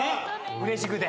うれしくて。